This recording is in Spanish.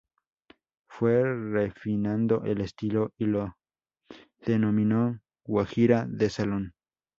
Fue refinando el estilo y lo denominó "guajira de salón".